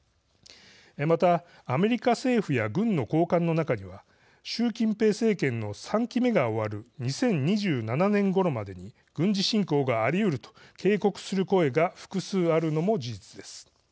また、アメリカ政府や軍の高官の中には習近平政権の３期目が終わる２０２７年ごろまでに軍事侵攻がありうると警告する声が複数あるのも事実です。